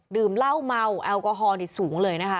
ดื่มเหล้าเมาแอลกอฮอลนี่สูงเลยนะคะ